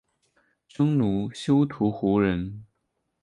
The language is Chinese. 匈奴休屠胡人。